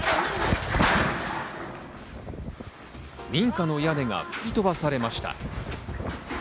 民家の屋根が吹き飛ばされました。